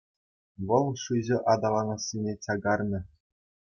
Вӑл шыҫӑ аталанассине чакарнӑ.